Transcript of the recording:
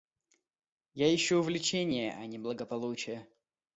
Я ищу увлечения, а не благополучия.